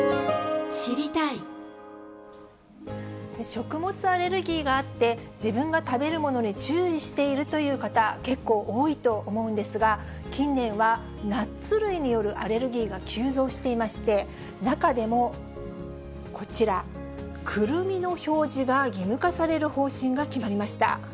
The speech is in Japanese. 食物アレルギーがあって、自分が食べるものに注意しているという方、結構多いと思うんですが、近年は、ナッツ類によるアレルギーが急増していまして、中でもこちら、くるみの表示が義務化される方針が決まりました。